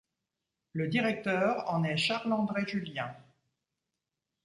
Le directeur en est Charles-André Julien.